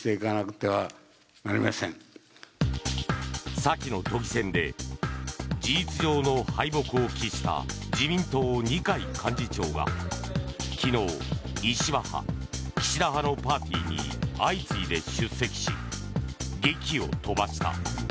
先の都議選で事実上の敗北を喫した自民党・二階幹事長が昨日、石破派、岸田派のパーティーに相次いで出席し檄を飛ばした。